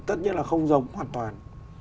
tất nhiên là không giống hoàn toàn